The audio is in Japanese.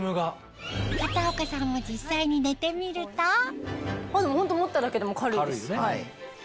片岡さんも実際に寝てみるとホント持っただけでも。